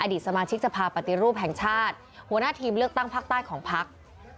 สมาชิกสภาปฏิรูปแห่งชาติหัวหน้าทีมเลือกตั้งภาคใต้ของพัก